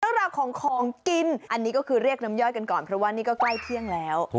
เรื่องราวของของกินอันนี้ก็คือเรียกน้ำย่อยกันก่อนเพราะว่านี่ก็ใกล้เที่ยงแล้ว